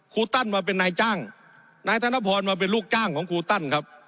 ตั้นมาเป็นนายจ้างนายธนพรมาเป็นลูกจ้างของครูตั้นครับ